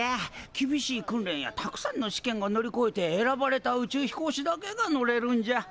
厳しい訓練やたくさんの試験を乗りこえて選ばれた宇宙飛行士だけが乗れるんじゃ。